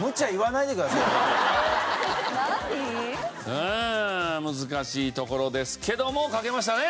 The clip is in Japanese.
うん難しいところですけども書けましたね？